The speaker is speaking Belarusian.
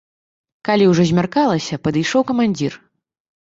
Калі ўжо змяркалася, падышоў камандзір.